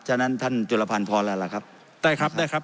ฉะนั้นท่านจุลภัณฑ์พอแล้วล่ะครับได้ครับได้ครับ